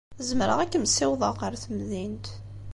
Zemreɣ ad kem-ssiwḍeɣ ɣer temdint.